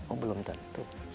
oh belum tentu